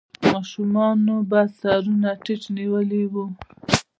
ماشومانو به سرونه ټيټ نيولې وو.